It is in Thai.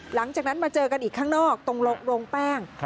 หลังจากนั้นมาเจอกันอีกข้างนอกตรงโรงแป้ง